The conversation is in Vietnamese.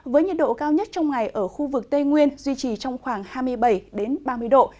với nhiệt độ cao nhất trong ngày ở khu vực tây nguyên duy trì trong khoảng hai mươi bảy ba mươi độ